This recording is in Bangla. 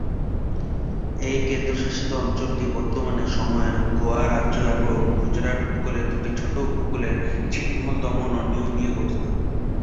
এই কেন্দ্রশাসিত অঞ্চলটি বর্তমান সময়ের গোয়া রাজ্য এবং গুজরাট উপকূলের দুটি ছোট উপকূলীয় ছিটমহল দমন ও দিউ নিয়ে গঠিত।